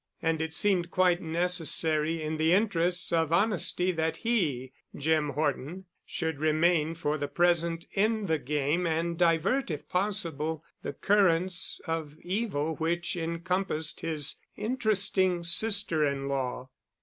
And it seemed quite necessary in the interests of honesty that he, Jim Horton, should remain for the present in the game and divert if possible the currents of evil which encompassed his interesting sister in law.